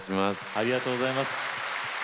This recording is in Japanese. ありがとうございます。